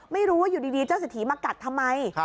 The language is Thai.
ไม่รู้ว่าอยู่ดีเจ้าเศรษฐีมากัดทำไม